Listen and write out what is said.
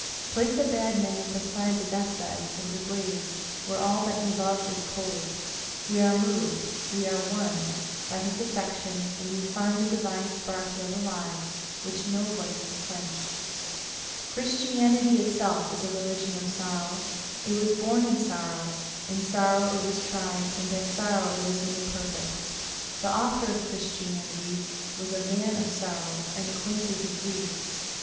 Place a bad man beside the death bed, or the grave, where all that he loved is cold—we are moved, we are won, by his affection, and we find the divine spark yet alive, which no vice could quench. Christianity itself is a religion of sorrow. It was born in sorrow, in sorrow it was tried, and by sorrow it was made perfect. The Author of Christianity was a "man of sorrow and acquainted with grief."